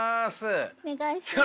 お願いします。